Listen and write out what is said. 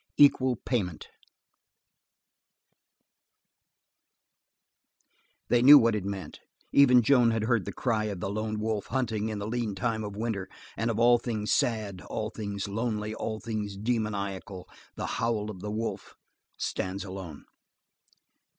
Equal Payment They knew what it meant; even Joan had heard the cry of the lone wolf hunting in the lean time of winter, and of all things sad, all things lonely, all things demoniacal, the howl of a wolf stands alone.